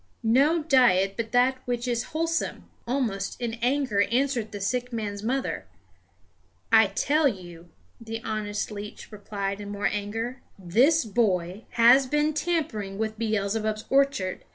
"No diet but that which is wholesome!" almost in anger answered the sick man's mother. "I tell you," the honest leech replied, in more anger, "this boy has been tampering with Beelzebub's orchard.